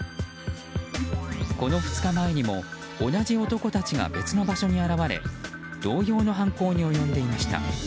この２日前にも、同じ男たちが別の場所に現れ同様の犯行に及んでいました。